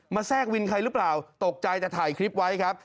แทรกวินใครหรือเปล่าตกใจแต่ถ่ายคลิปไว้ครับ